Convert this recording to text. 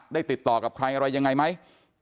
ติดต่อกับใครอะไรยังไงไหม